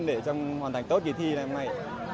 để hoàn thành tốt kỳ thi này